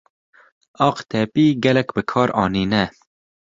Aqtepî gelek bi kar anîne.